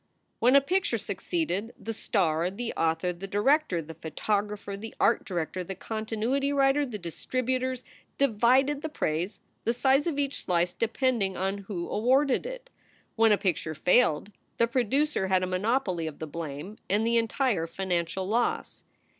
When a picture succeeded, the star, the author, the direc tor, the photographer, the art director, the continuity writer, the distributors, divided the praise, the size of each slice depending on who awarded it. SOULS FOR SALE 215 When a picture failed, the producer had a monopoly of the blame and the entire financial loss.